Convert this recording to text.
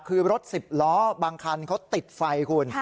คือรถ๑๐ล้อบางคันเขาติดไฟคุณ